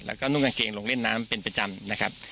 แล้วก็นุ่งกางเกงลงเล่นน้ำเป็นประจำนะครับ